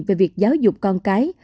về việc giáo dục con cái